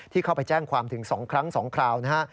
เข้าไปแจ้งความถึง๒ครั้ง๒คราวนะฮะ